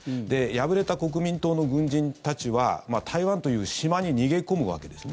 敗れた国民党の軍人たちは台湾という島に逃げ込むわけです。